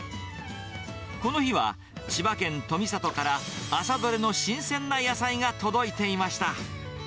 この日は千葉県富里から朝どれの新鮮な野菜が届いていました。